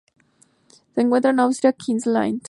Se encuentra en Australia: Queensland.